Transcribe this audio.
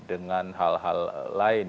dengan hal hal lain